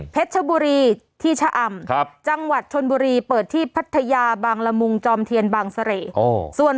ชบุรีที่ชะอำจังหวัดชนบุรีเปิดที่พัทยาบางละมุงจอมเทียนบางเสร่ส่วน